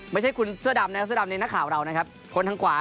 ไม่ใช่คุณเสื้อดำในหน้าข่าวเราคนทางขวา